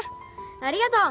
ありがとう